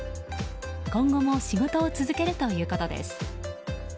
今後も仕事を続けるということです。